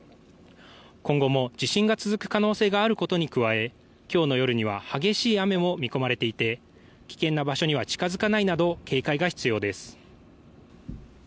今後も地震が続く可能性があることに加え今日の夜には激しい雨も見込まれていて危険な場所には近付かないなど警戒が必要です。